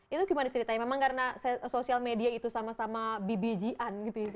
itu gimana ceritanya memang karena sosial media itu sama sama bbg an gitu ya